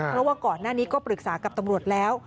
เพราะว่าก่อนหน้านี้ก็ปรึกษากับตำรวจแล้ว